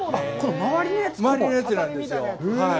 回りのやつなんですよ。